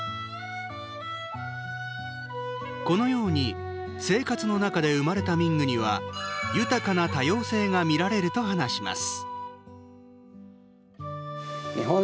このように生活の中で生まれた民具には豊かな多様性が見られると話します。